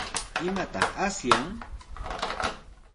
¿Imataq asyan?